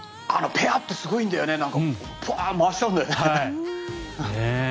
ペアってすごいんだよね。